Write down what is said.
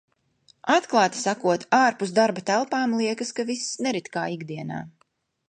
Atklāti sakot, ārpus darba telpām liekas, ka viss nerit kā ikdienā.